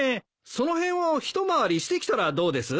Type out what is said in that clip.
その辺を一回りしてきたらどうです？